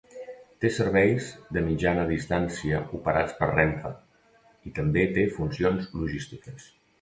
Té serveis de mitjana distància operats per Renfe i també té funcions logístiques.